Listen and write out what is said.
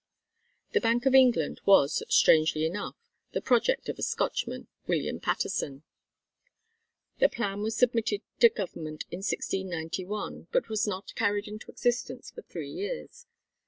The Bank of England was, strangely enough, the project of a Scotchman, William Paterson. The plan was submitted to Government in 1691 but was not carried into existence for three years.